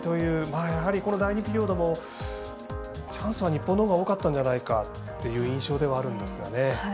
第２ピリオドもチャンスは日本のほうが多かったんではないかという印象はあるんですけどね。